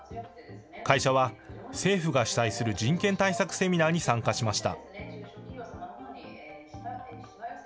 会社は、政府が主催する人権対策セミナーに参加しました。